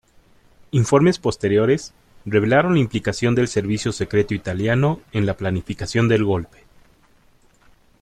Informes posteriores revelaron la implicación del servicio secreto italiano en la planificación del golpe.